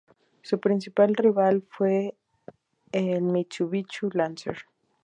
Su principal rival fue el Mitsubishi Lancer.